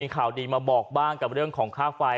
ข่าวดีมาบอกบ้างกับเรื่องของค่าไฟ